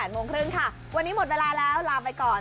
โมงครึ่งค่ะวันนี้หมดเวลาแล้วลาไปก่อน